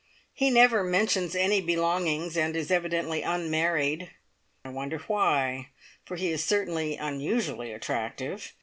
He never mentions any "belongings," and is evidently unmarried. I wonder why, for he is certainly unusually attractive.